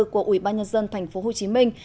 của ủy ban nhân dân thành phố hồ chí minh